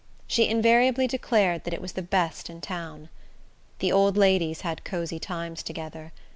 She invariably declared that it was the best in town. The old ladies had cosey times together.